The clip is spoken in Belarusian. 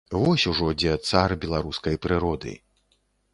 Вось ужо дзе цар беларускай прыроды.